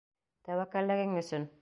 Тәүәккәллегең өсөн.